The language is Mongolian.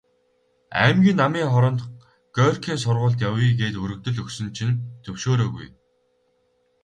Аймгийн Намын хороонд Горькийн сургуульд явъя гээд өргөдөл өгсөн чинь зөвшөөрөөгүй.